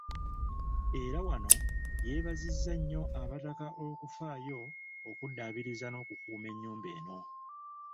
Era wano yebaziza nnyo Abataka olw'okufaayo okuddabiriza n'okukuuma enyumba eno.